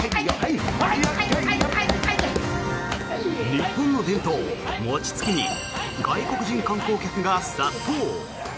日本の伝統、餅つきに外国人観光客が殺到。